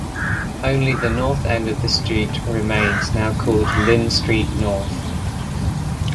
Only the north end of the street remains, now called Lynn Street North.